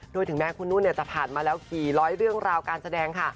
โดยถึงแม้คุณนุ่นจะผ่านมาแล้วกี่ร้อยเรื่องราวการแสดงค่ะ